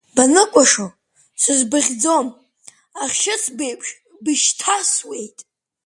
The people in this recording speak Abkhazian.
Баныкәашо сызбыхьӡом, ахьшьыцбеиԥш бышьҭасуеит…